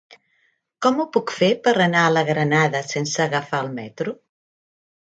Com ho puc fer per anar a la Granada sense agafar el metro?